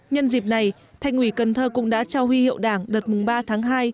nhân dịp này thành ủy cần thơ cũng đã trao huy hiệu đảng đợt ba tháng hai